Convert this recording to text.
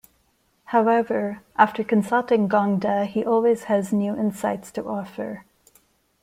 However, after consulting Gongda, he always has new insights to offer.